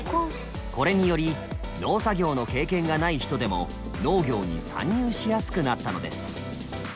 これにより農作業の経験がない人でも農業に参入しやすくなったのです。